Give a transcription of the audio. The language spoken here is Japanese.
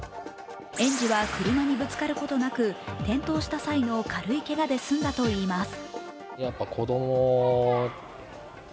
園児は車にぶつかることなく転倒した際の軽いけがで済んだといいます。